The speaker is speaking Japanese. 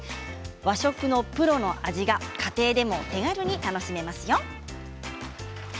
和食のプロの味が家庭でも手軽に楽しめますよ。